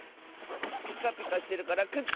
ピカピカしてるからくっつく！